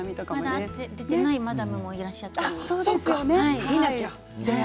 まだ出ていないマダムもいらっしゃったり。